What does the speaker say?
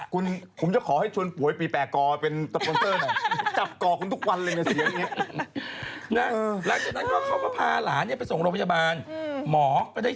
คุณผมจะขอให้ชวนป่วยไปแปลกอเป็นสปรอนเตอร์หน่อย